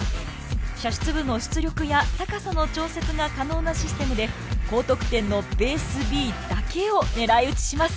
射出部の出力や高さの調節が可能なシステムで高得点のベースＢだけを狙い撃ちします。